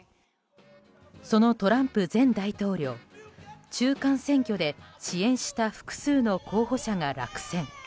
そのトランプ前大統領中間選挙で支援した複数の候補者が落選。